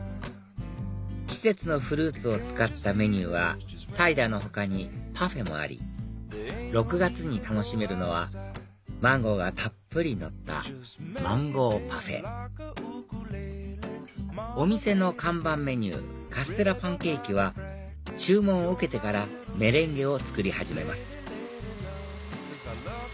季節のフルーツを使ったメニューはサイダーの他にパフェもあり６月に楽しめるのはマンゴーがたっぷりのったマンゴーパフェお店の看板メニューカステラパンケーキは注文を受けてからメレンゲを作り始めます